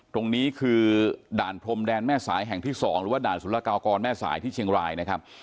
ตรงนี้คือด่านพรมแดนแม่สายแห่งที่๒หรือว่าด่านสุรกากรแม่สายที่เชียงรายนะครับ